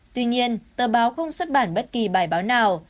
tuy nhiên tờ báo không xuất bản bất kỳ bài báo nào